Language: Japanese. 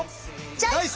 チョイス！